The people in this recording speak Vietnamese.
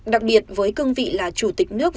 đặc biệt với cương vị là chủ tịch nước